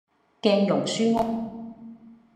鏡蓉書屋